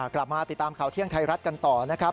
กลับมาติดตามข่าวเที่ยงไทยรัฐกันต่อนะครับ